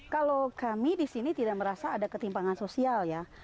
kalau kami di sini tidak merasa ada ketimpangan sosial ya